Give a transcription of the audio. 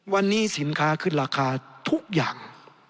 วันนี้สินค้าขึ้นราคาทุกอย่าง